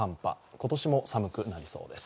今年も寒くなりそうです。